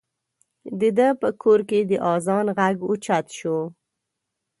د ده په کور کې د اذان غږ اوچت شو.